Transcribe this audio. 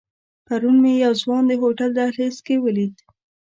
پرون مې یو ځوان د هوټل دهلیز کې ولید.